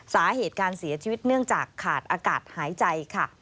สาเหตุการเสียชีวิตเนื่องจากขาดอากาศหายใจค่ะ